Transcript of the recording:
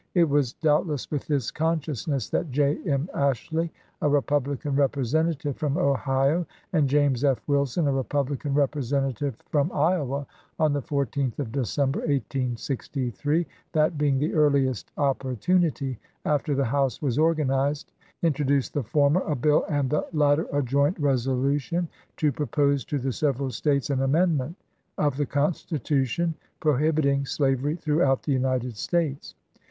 It was doubt less with this consciousness that J. M. Ashley, a Republican Representative from Ohio, and James F. Wilson, a Republican Representative from Iowa, on the 14th of December, 1863, — that being the earliest opportunity after the House was organ ized,— introduced the former a bill and the latter a joint resolution to propose to the several States an amendment of the Constitution prohibiting slavery throughout the United States.